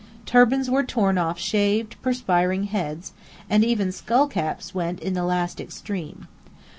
Turbans were torn off shaved, perspiring heads, and even skull caps went in the last extreme.